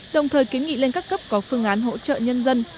đồng thời kiến nghị lên các cấp có phương án hỗ trợ nhân dân